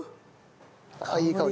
あっいい香り。